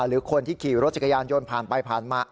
หรือคนที่ขี่รถจักรยานยนต์ผ่านไปผ่านมา